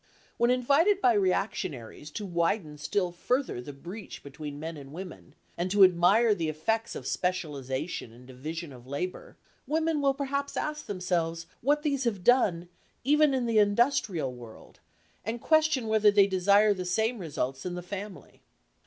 When invited by reactionaries to widen still further the breach between men and women, and to admire the effects of specialisation and division of labour, women will perhaps ask themselves what these have done, even in the industrial world, and question whether they desire the same results in the family.